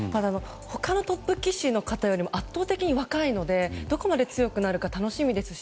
他のトップ棋士の方よりも、圧倒的に若いのでどこまで強くなるか楽しみですし